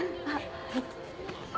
はい。